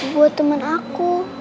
buat temen aku